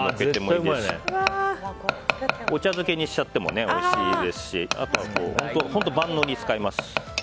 お茶漬けにしちゃってもおいしいですし本当、万能に使えます。